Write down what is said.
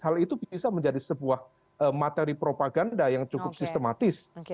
hal itu bisa menjadi sebuah materi propaganda yang cukup sistematis